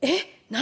何？